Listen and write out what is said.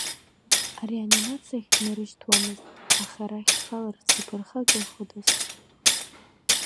Ареанимациахь днарышьҭуамызт, аха арахь дхаларц иԥырхагаходаз.